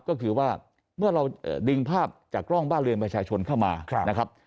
ก็คือว่าเมื่อเราดึงภาพจากกล้องบ้านเรือนประชาชนเข้ามานะครับ